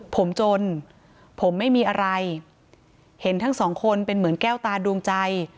ผมจนผมไม่มีอะไรเห็นทั้งสองคนเป็นเหมือนแก้วตาดวงใจ